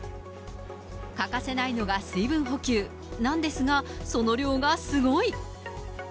欠かせないのが水分補給なんですが、その量がすごい。